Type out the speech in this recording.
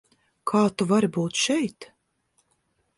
Kā tu vari būt šeit?